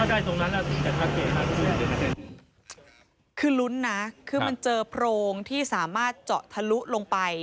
ถ้าได้ตรงนั้นคือลุ้นนะคือมันเจอโพรงที่สามารถเจาะทะลุลงไป